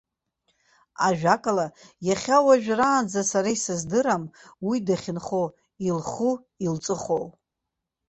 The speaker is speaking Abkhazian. Ажәакала иахьа уажәраанӡа сара исыздырам уи дахьынхо, илху илҵыхәоу.